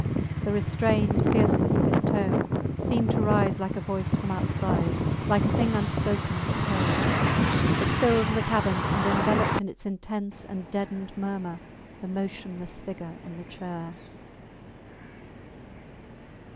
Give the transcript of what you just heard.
The restrained fierceness of his tone seemed to rise like a voice from outside, like a thing unspoken but heard; it filled the cabin and enveloped in its intense and deadened murmur the motionless figure in the chair.